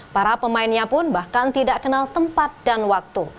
para pemainnya pun bahkan tidak kenal tempat dan waktu